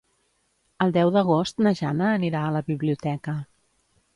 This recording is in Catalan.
El deu d'agost na Jana anirà a la biblioteca.